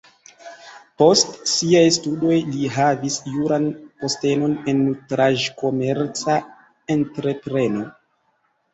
Post siaj studoj li havis juran postenon en nutraĵkomerca entrepreno.